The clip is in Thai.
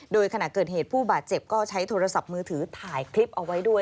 โดยขณะเกิดเหตุผู้บาดเจ็บก็ใช้โทรศัพท์มือถือถ่ายคลิปเอาไว้ด้วย